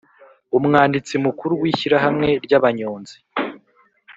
umwanditsi mukuru w ishyirahamwe rya banyonzi